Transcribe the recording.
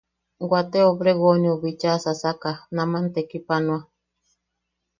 Wate Obregoneu bicha sasaka naman tekipanoa.